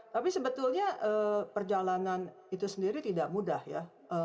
tapi sebetulnya perjalanan itu sendiri tidak mudah ya